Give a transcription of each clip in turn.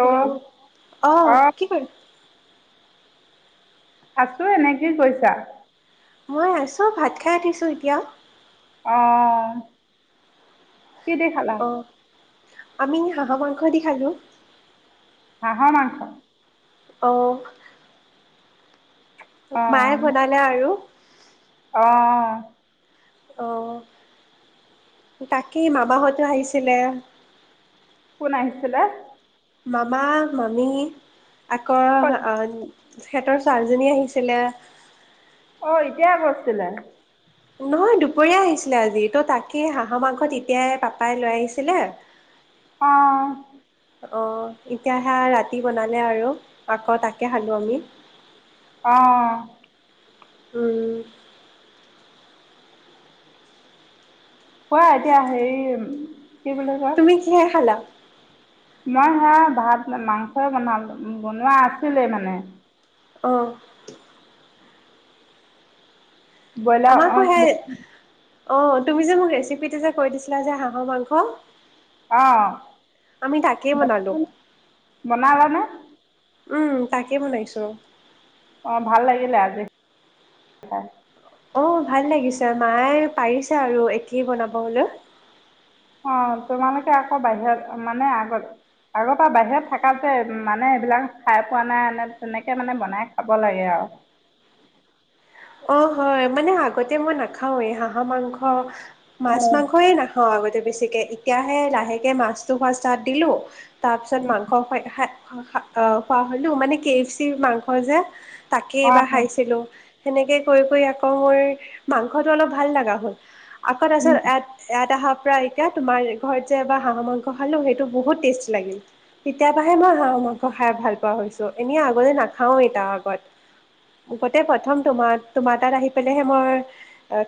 Hello অ আহ কি কৰি আছো এনেকেই কৈছা মই আছোঁ ভাত খাই আতিছোঁ এতিয়া আহ কে দেখালা অ আমি হাঁহৰ মাংস দি খালোঁ হহ মাংস অ মায়ে বনালে আৰু আহ আহ তাকেই মাবাহঁতো আহিছিলে কোন আহিছিলে মামা মামি আকৌ তেখহঁতৰ ছাৰিজনী আহিছিলে অ এতিয়া কৰিৈছিলে নহয় দুপৰীয়া আহিছিলে আজি ত' তাকে হাঁহৰ মাংসত এতিয়াই পাপাই লৈ আহিছিলে অ অঁ এতিয়া সে ৰাতি বনালে আৰু আকৌ তাকে খালোঁ আমি আহ উম কোৱা এতিয়া হেৰি কি বুলি কয় তুমি কিহে খালা মই সেয়া ভাত মাংস বনালো বনোৱা আছিলে মানে আহ ব'লা আমাৰ আকৌ অ সেই অ তুমি যে মোক ৰেচিপিতে যে কৈ দিছিলা যে হাঁহৰ মাংস অঁ আমি তাকেই বনালো। বন বনাানে উম তাকে বনাইছো ৰ অ ভাল লাগিলে আজি অ ভাল লাগিছে মায়ে পাৰিছে আৰু একেই বনাব হলৈ অ তোমালোকে আকৌ বাহিৰত মানে আগত আগৰ পৰা বাহিৰত থকাাত যে মানে এইবিলাক খাই পোৱা নাই তেনেকে মানে বনাই খাব লাগে আৰু অ হয় মানে আগতে মই নাখাও এই হাঁহহ মাংস মাছ মাংসয়ে নাখাওঁ আগতে এতিয়াহে লাহেকে মাছটো খোৱা তাত দিলোঁ তাৰ পিছত উম মাসৱ প হ খোৱা হ'লো মানে কে এফ চি মাংস যে তাকেই অ এবাৰ খাইছিলো সেনেকে কৰি কৰি আকৌ মোৰ মাংসটো অলপ ভাল লগা হ'ল আ উম আ এটা মাৰ যে হ মাংতি মই হ ম তোমাৰ তোমাৰ তাত আহি পেলাইহে মই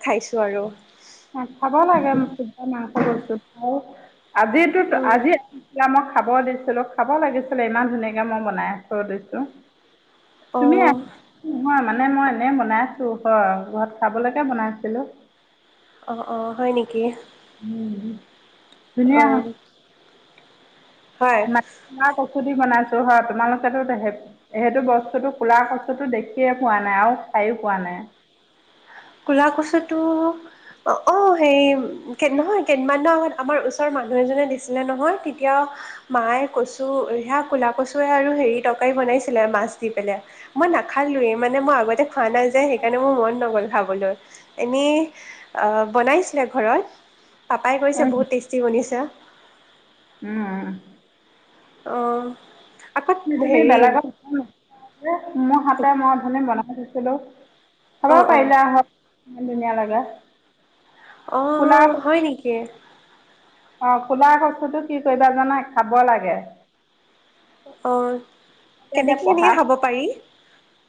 খাইছোঁ আৰু খাব লাগে খুবা মাংস বস্তু খ আজো আজি আছিলা মই খাব দিছো ছিলো খাব লাগিছিলে ইমান ধুনীয়াকে মই বনাই থৈ দিছো তুমি আহ অঁ নহয় মানে মই মানে বনাইছো ঘ ঘৰত খাবলৈকে বনাইছিলো অ অ হয় নেকি উম অ মাটি মাঁহ কচু দি বনাইছো হয় তোমালোকেতো সেইটো বস্তুটো কুলা কচুটো দেখিয়ে পোৱা নাই আৰু খাইয়ো পোৱা নাই কলা কচুটো অঁ হেৰি নহয় কেই দিনমাৰ আগত আমাৰ ওচৰৰ মানুহ এজনে দিছিলে নহয় তেতিয়া মায়ে কচু সেয়া কলা কচুৱে আৰু হেৰি তৰকাৰি বনাইছিলে মাছ দি পেলাই মই নাখালোৱে মানে মই আগতে খোৱা নাই যি সেইকাৰণে মোৰ মন নগ'ল খাবলৈ এনেই আঁ বনাইছিলে ঘৰত পাপাই কৈছে বহুত টেষ্টি বনিছে উম অঁ আকৌ এইটো তুমি হেৰি বেলাগত নোপোৱা [unintelligible] মোৰ হাতে মই অথনি বনা বনাইচিলো খাব অ অ পাৰিলা হয় ইমান ধুনীয়া লাগে অঁ হয় নেকি অঁ কোলা কচুটো কি কৰিবা জানা খাব লাগে অঁ এতিয়া পঢ়া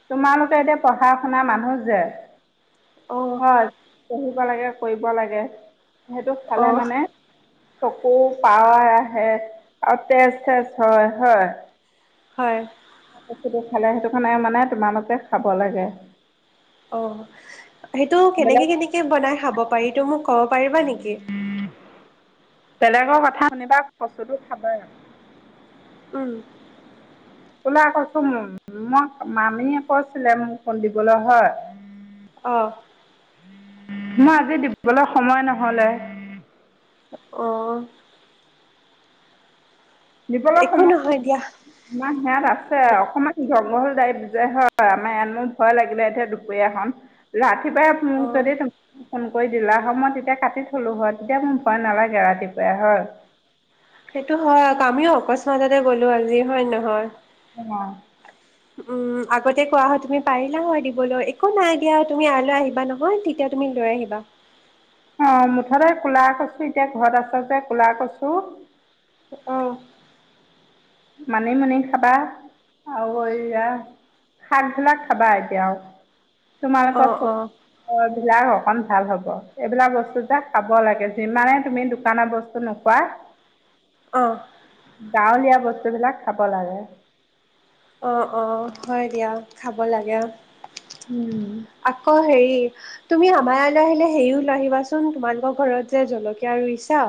তোমালোকে পঢ়া শুনা মানুহ যে অ' হয় পঢ়িব লাগে কৰিব লাগে সেইটো অ খালে মানে চকু পাৱাৰ আহে আৰু তেজ চেজ হয় হয় হয় কলা কচুটো খালে সেইটো কাৰণে মানে তোমালোকে খাব লাগে অ' সেইটো কেনেকে বেলেগ কেনেকে বনাই খাব পাৰি এইটো মোক কব পাৰিবা নেকি ত কথা শুনিবা কচুটো খাবা উম কোলা কচু মোক মামীয়ে কৈছিলে মোক অকন দিবলৈ হয় অ' মই আজি দিবলে সময় নহলে অঁ দিবলে একো সময় নহয় দিয়া ইমান হেয়াত আছে অকমান জংঘল টাইপ যে হয় আমাৰ মোৰ ভয় লাগিলে এই দুপৰীয়াখন ৰাতি অ ৰাতিপুৱাই যদি তোমা কৈ দিলা হয় মই তেতিয়া কাটি থলো হয় তেতিয়া মোৰ ভয় নালাগে ৰাতিপুৱাই হয় সেইটো হয়। আকৌ আমিও অকস্মাততে গ'লোঁ আজি, হয় নে নহয়? অ'। উম, আগতে কোৱা হয়। তুমি পাৰিলা হয় দিবলৈ। একো নাই দিয়া। তুমি কাইলৈ আহিবা নহয়, তেতিয়া তুমি লৈ আহিবা। অ', মুঠতে ক'লা কচু এতিয়া ঘৰত আছে যে, ক'লা কচু অ মানি-মুনি খাবা, আৰু এইয়া শাকবিলাক খাবা এতিয়া, আৰু অ তোমালোকৰ অ [unintelligible] [unintelligible] অকণ ভাল হ'ব। এইবিলাক বস্তু যে খাব লাগে। যিমানে তুমি দোকানৰ বস্তু নোখোৱা অ'। গাঁৱলীয়া বস্ত সিবিলাক খাব লাগে অ', অ'। হয় দিয়া, খাব লাগে উম আকৌ হেৰি তুমি আমাৰ ইয়ালে আহিলে, হেৰিও লৈ আহিবাচোন। তোমালোকৰ ঘৰত যে জলকীয়া ৰুইছা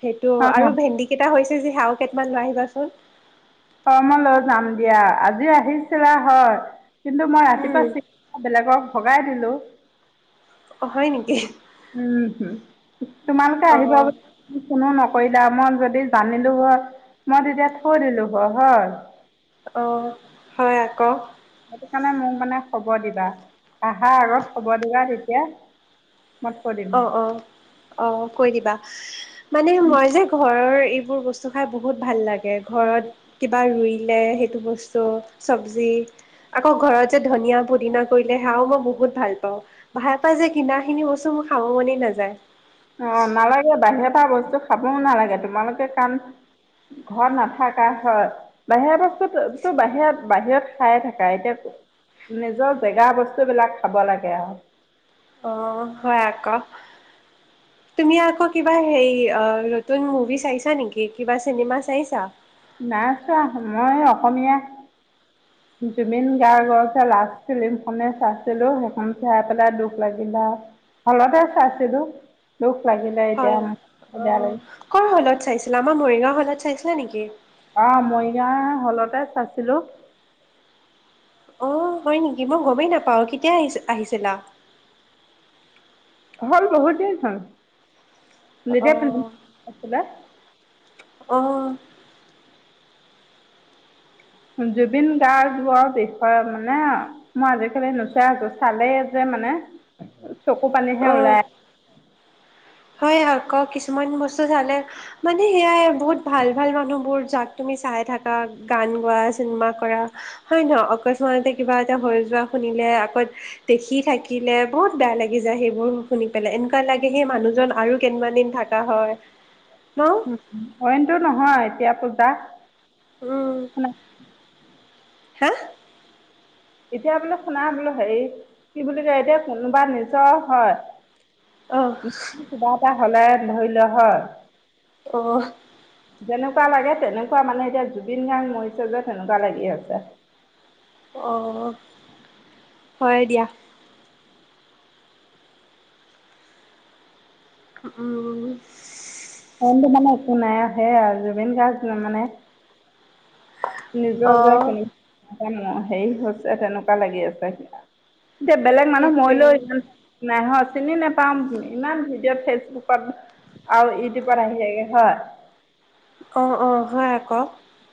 সেইটো, অ আৰু ভেন্দি কেইটা হৈছে হাও কেইটান লৈ আহিবাচোন। অ' মই লৈ যায় দিয়া, আজি আহিছিলা হয় কিন্তু মই ৰাতিপুৱা উম চ বেলেগক ভগাই দিলোঁ। অ' হয় নেকি? উম হম তোমালোকে অ আহিব অ বুলি কোনো নক কৰিলা মই যদি জানিলো হয় মই তেতিয়া থৈ দিলো হয় হয়। অ' হয় আকৌ। সেইটো কাৰণে মোক মানে খবৰ দিবা, আহা আগত খবৰ দিবা তেতিয়া মই থৈ দিম অ' অ' অ' কৈ দিবা। মানে মই যে ঘৰৰ এইবোৰ বস্তু খাই বহুত ভাল লাগে। ঘৰত কিবা ৰুইলে সেইটো বস্তু চব্জি, আকৌ ঘৰত যে ধনিয়া পুদিনা কৰিলে সেয়াও মই বহুত ভাল পাওঁ, তাহ পৰা যে কিনাখিনি বস্তু মোৰ খাব মনে নাযায়। অ' নালাগে বাহিৰৰ পৰা বস্তু খাবও নালাগে, তোমালোকে কাৰণ ঘৰত নাথাকা হয় বাহিৰা বস্তুো বাহিৰত বাহিৰত খায়ে থাকা এতিয়া নিজৰ জেগা বস্তুবলাক খাব লাগে আৰু। অ' হয় আকৌ, তুমি আকৌ কিবা হে নতুন মুভি চাইছা নেকি কিবা চিনেমা চাইছা? নাই চোৱা মই অসমীয়া জুবিন গাৰ্গৰ লাষ্ট ফিল্মখনে চাইছিলো সেইখন চাই পেলাই দুখ লাগিলা হলতে চাইছিলো। হয় অ' কৰ হলত চাইছিল? আমাৰ মৰিগাঁও হলত চাইছিল চাইছিলা নেকি? আহ মৰিগাঁৱ হলতে চাইছিলো। আহ হয় নেকি? মই গমেই নাপাওঁ কেতিয়া আহি আহিছিলা? হ'ল বহুত অ' হ'ল। [unintelligible] অ'। জুবিন গাৰ্গৰ বিষয়ে, মানে মই আজিকালি নোচোৱাই হ'লো। চালেই যে, মানে চকু পানীহে অ' ওলাই হয়। আকৌ কিছুমান বস্তু চালে, মানে, সেয়াই। বহুত ভাল, ভাল মানুহবোৰ, যাক তুমি চাই থাকা, গান গোৱা, চিনেমা কৰা, হয় ন'? অকস্মাততে কিবা এটা হৈ যোৱা শুনিলে, আকৌ দেখি থাকিলে বহুত বেয়া লাগি যায়। সেইবোৰ শুনি পেলাই এনেকুৱা লাগে, সেই মানুহ জন আৰু কেইটামান দিন থাকা হয় ন উম, উম। অইনটো নহয় এতিয়াছধা উম হা এতিয়া বোলো শুনা বোলো হেৰি কি বুলি কয় এতিয়া কোনোবা নিজৰ হয় অ কিবা এটা হ'লে ধইলহয় আহ যেনেকুৱা লাগে তেনেকুৱা মানে এতিয়া জুবিন গাৰ্গ মৰিছে যে তেেনেকুৱা লাগি আছে অ হয় দিয়া আহ অটো মানে একো নাই সে আৰু জুবিন গাৰ্গ মানে নিজৰ অ গোৱাখি হেৰি হৈছে তেনেকুৱা লাগি আছে যে বেলেগ মানুহ মই সেইটোৱে লৈ নাইহত চিনি নোপাওঁ ইমান ভিডিঅ' ফেচবুকত আৰু প আহি যায়গে হয় অ অ হয় আকৌ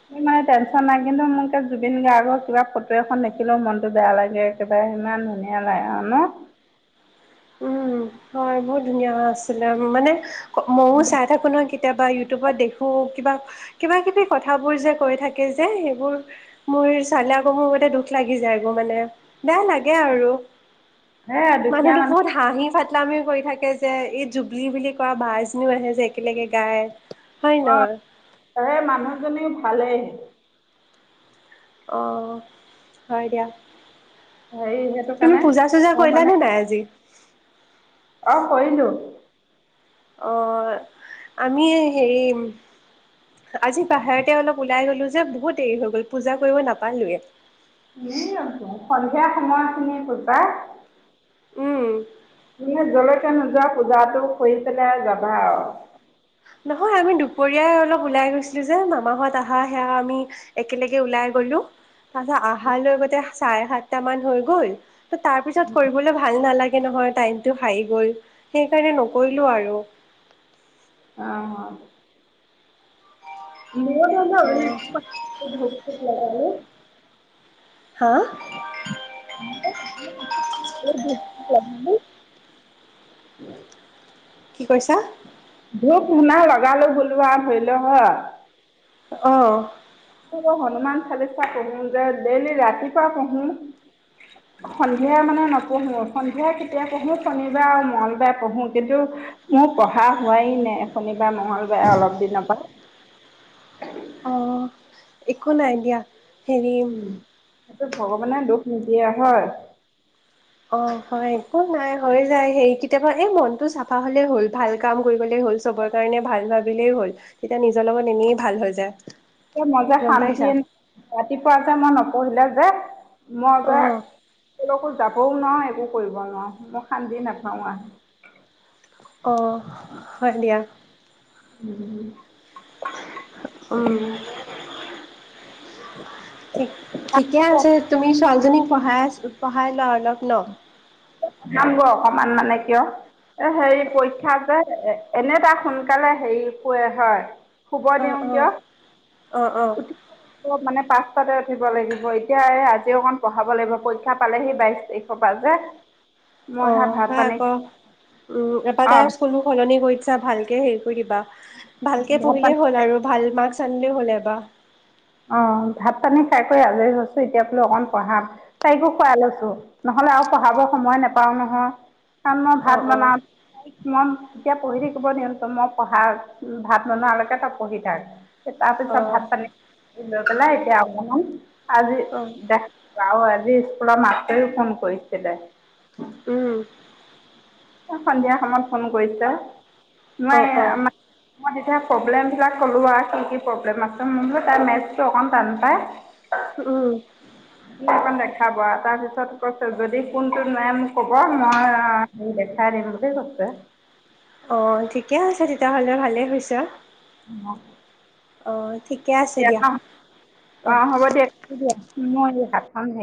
স মানে টেনচন নাই কিন্তু মোক জুবিন গাৰ্গৰ কিবা ফটো এখন দেখিলোও মনতটো বেয়া লাগে একেবাৰে ইমান ধুনীয়া লাগ আৰু ন উম হয় বহুত ধুনীয়া আছিলে মানে ময়ো চাই থাকোঁ নহয় কেতিয়াবা ইউটিউবত দেখোঁ কিবা কিবা কিবি কথাবোৰ যে কৈ থাকে যে সেইবোৰ মোৰ চালে আকৌ মোৰ মতে দুখ লাগি যায়গ মানে বেয়া লাগে আৰু হে দুখীয়া মানুহতো মানুহ বহুত হাঁহি ফাটলামিও কৰি থাকে যে এই জুবলি বুলি ক বজনীও আহে যে একেলগে গায় হয় অ নহয় সেই মানুহজনীওাল ভালে অঁ হয় দিয়া হেৰি সেইটো তুমি কাৰণে পূজা চুজা মোৰ মানে কৰিলাানে নাই আজি অ কৰিলো অ আমি হেৰি আজি বাহিৰতে অলপ ওলাই গলো যে বহুত দেৰি হৈ গ'ল পূজা কৰিব নাপালোয়ে এই আ সন্ধিয়া সময় শন পূজা উম জলেকে নোযোৱা পূজাটো কৰি পেলাই যাবা আৰু নহয় আমি দুপৰীয় অলপ ওলাই গৈছিলো যে মামাহত আহা সেয়া আমি একেলগে ওলাই গলো তাৰছত অালৈ গ চাৰে সাতট মান হৈ গ'ল ত তাৰপিছত কৰিবলৈ ভাল নালাগে নহয় টাইমটো হাই গ'ল সেইকাৰণে নকৰিলো আৰু অ হয় ন বে অ', হা [inaudible] উম কি কৈছা ধপ শুনা লগালো বলো আৰু ধৰিলেও হয় আহ হনুমান চালিচা পঢ়ো যে ডেইলি ৰাতিপুৱা পঢ়ো সন্ধিয়া মানে নপঢ়ো সন্ধিয়া কেতিয়া পঢ়ো শনিবাৰে আৰু মঙলবাৰে পঢ়ো কিন্তু মোৰ পঢ়া হোৱাই নাই শনিবাৰে মঙলবাৰে অলপ দিনৰ পৰা অ'। একো নাই এ দিয়া হেৰি উম এইটো ভগৱানে দুখ তিিয়া হয় অ হয় একো নাই হৈ যায় হেইৰি কেতিয়াবা এই মনটো চাফা হলেই হ'ল ভাল কাম কৰিবলে হ'ল চবৰ কাৰণে ভাল ভাবিলেই হ'ল তেতিয়া নিজৰ লগত এনেই ভাল হৈ যায় মই যে গম পাইছা। শান্তিে ৰাতিপুৱা যে মই নক কহিলা যে মজা অ', তেওঁলো যাবও নোৱাৰো একো কৰিব নোৱাৰো মই শান্দি নাাপাওঁ আৰু অঁ হয় দিয়া উম অ উ ঠিকে আছে তুমি ছোৱালীজনী পঢাই পাহাই ল অলপ সপন াম গৈ অকমান মানে কিয় এ হেৰি পৰীক্ষা যে এনে এটা সোনকালে হেৰি কে হয় শুব অ', দিওঁ দিয় অ', অ', অ', উঠি মানে পাঁচটাতে উঠিব লাগিব এতিয়া আজিও অকণ পঢ়াব লাগিব পৰীক্ষা পালেহি বাইশ তাৰিখৰ পৰা যে অ মই সে হ ভাত পানী আকৌ উ এবাৰ তাই অঁ স্কুল মোৰ সলনি কৰিছা ভালকে হেই ভ ভাত পানী খাই চডে হ'লে বাা অ ভাত পানী খাই কৰি আজৰি হৈছো এতিয়া বোলো অকন পঢ়া তাইকো খুৱাই লৈছো নহলে আৰু পঢ়াব সময় নোপাও নহয় কাৰণ মই ভাত অ', অ', বনাও মই এতিয়া পঢ়ি থাকিব নিয়ন্তো মই পঢ়া ভাত বনোৱালৈকে তই পঢ়ি থাক তাৰ পিছত অ', ভাত পানী এই লোকেল এতিয়া আ ন আজি অ', দেখ ৰাও আজি স্কুলৰ মাতেও ফোন কৰিছিলে উম, সন্ধিয়া সময়ত ফোন কৰিছা অ', নাই অ', মই তেতিয়া প্ৰব্লেম বিলাক ক'লো আৰু কি কি প্ৰব্লেম আছে ম বলো তাই মেটো অকণ টান পায় উম, এখন দেখাব আৰু তাৰপিছত কৈছে যদি কোনটো নেম কব মই ম দেে খাৰে মোৰ ক গছে তে হ'লে ভালেই হৈছেছ অ অ ঠিকে হ'ব আছে দিয়া ন অ'। অঁ হব দিয়া মোৰ এই হাতখন হেৰি